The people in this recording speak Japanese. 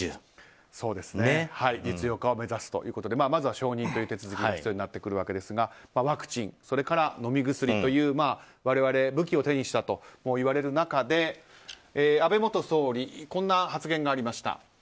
実用化を目指すということでまずは承認という手続きが必要になってくるわけですがワクチンそれから飲み薬という我々は武器を手にしたといわれる中で安倍元総理こんな発言がありました。